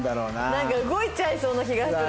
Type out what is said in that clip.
なんか動いちゃいそうな気がする。